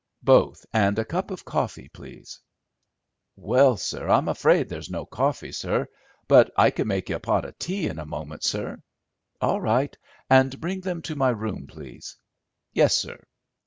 "Both, and a cup of coffee, please." "Well, sir, I'm afraid there's no coffee, sir; but I could make you a pot of tea in a moment, sir." "All right, and bring them to my room, please?" "Yessir."